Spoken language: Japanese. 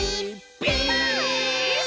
ピース！」